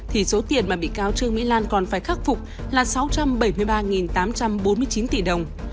thì số tiền mà bị cáo trương mỹ lan còn phải khắc phục là sáu trăm bảy mươi ba tám trăm bốn mươi chín tỷ đồng